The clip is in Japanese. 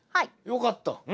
よかった。